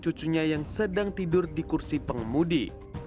cucunya yang sedang tidur di kursi pengemudi